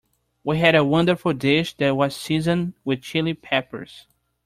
We had a wonderful dish that was seasoned with Chili Peppers.